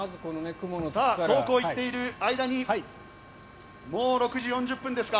そうこう言っている間にもう６時４０分ですか。